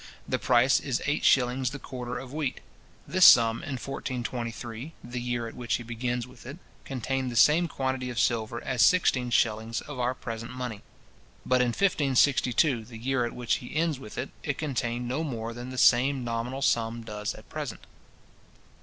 The price is eight shillings the quarter of wheat. This sum in 1423, the year at which he begins with it, contained the same quantity of silver as sixteen shillings of our present money. But in 1562, the year at which he ends with it, it contained no more than the same nominal sum does at present.